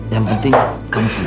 yang penting kamu senang